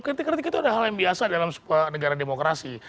kritik kritik itu adalah hal yang biasa dalam negara demokrasi